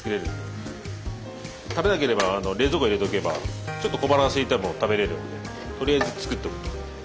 食べなければ冷蔵庫に入れておけばちょっと小腹がすいても食べれるんでとりあえず作っておくと。